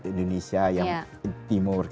indonesia yang timur